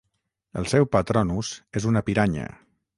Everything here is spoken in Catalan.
El seu patronus és una piranya.